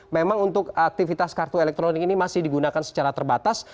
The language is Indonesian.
memang untuk aktivitas kartu elektronik ini masih digunakan secara terbatas